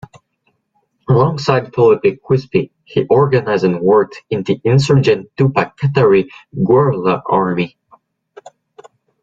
Alongside Felipe Quispe, he organized and worked in the insurgent Tupac Katari Guerrilla Army.